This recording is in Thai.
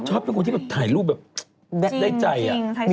ชอบเป็นคนที่แบบถ่ายรูปแบบได้ใจ